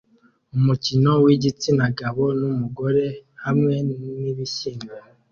Umukino wigitsina gabo numugore hamwe nibishyimbo